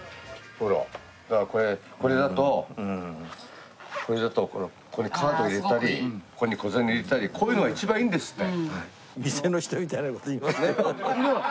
ほらこれこれだとこれだとここにカード入れたりここに小銭入れたりこういうのが一番いいんですって。